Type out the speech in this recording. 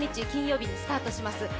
金曜日にスタートします